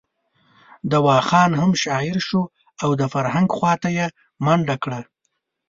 دوا خان هم شاعر شو او د فرهنګ خواته یې منډه کړه.